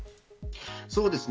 そうですね。